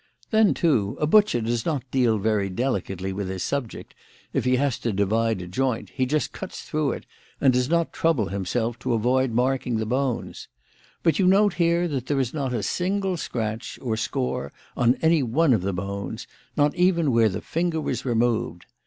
Then, too, a butcher does not deal very delicately with his subject; if he has to divide a joint, he just cuts through it and does not trouble himself to avoid marking the bones. But you note here that there is not a single scratch or score on any one of the bones, not even where the finger was removed.